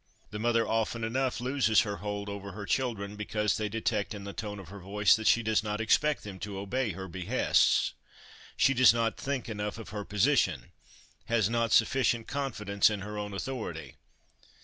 The mother often enough loses her hold over her children because they detect in the tone of her voice that she does not expect them to obey her behests; she does not think enough of her position ; has not sufficient confidence in her own authority.